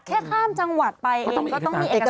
ข้ามจังหวัดไปเองก็ต้องมีเอกสาร